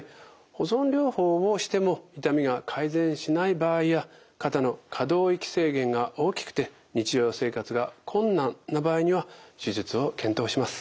保存療法をしても痛みが改善しない場合や肩の可動域制限が大きくて日常生活が困難な場合には手術を検討します。